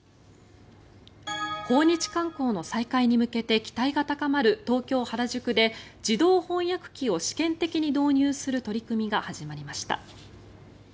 訪日観光の再開に向けて期待が高まる東京・原宿で自動翻訳機を試験的に導入する取り組みが始まりました。